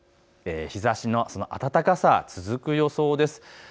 日ざしの暖かさ続く予想です。